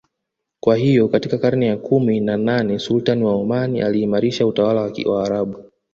Kwahiyo katika karne ya kumi na nane Sultan wa Oman aliimarisha utawala wa waarabu